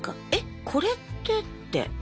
えっこれってって。